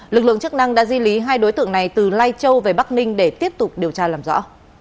lực lượng chức năng đã di lý hai đối tượng này từ lai châu về bắc ninh để tiếp tục điều tra làm rõ